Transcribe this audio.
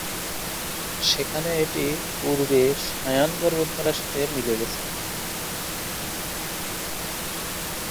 সেখানে এটি পূর্বে সায়ান পর্বতমালার সাথে মিলে গেছে।